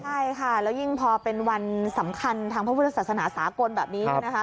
ใช่ค่ะแล้วยิ่งพอเป็นวันสำคัญทางพระพุทธศาสนาสากลแบบนี้เนี่ยนะคะ